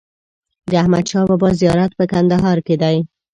د احمدشاه بابا زیارت په کندهار کې دی.